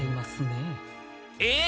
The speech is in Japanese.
えっ！？